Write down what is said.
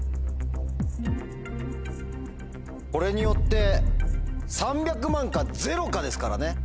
これによって３００万かゼロかですからね。